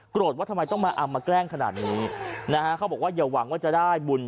ว่าทำไมต้องมาอำมาแกล้งขนาดนี้นะฮะเขาบอกว่าอย่าหวังว่าจะได้บุญ